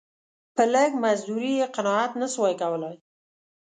په لږ مزدوري یې قناعت نه سو کولای.